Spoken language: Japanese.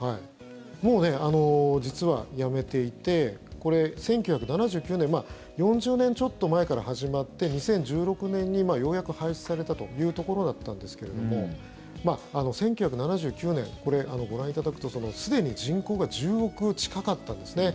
もう実はやめていてこれ、１９７９年４０年ちょっと前から始まって２０１６年にようやく廃止されたというところだったんですけども１９７９年、ご覧いただくとすでに人口が１０億近かったんですね。